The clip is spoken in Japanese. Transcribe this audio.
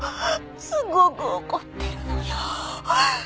すごく怒ってるのよ。